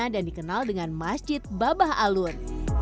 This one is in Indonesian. dan dikenal dengan masjid babah alun